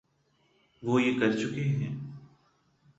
وہ یہ کر چکے ہیں۔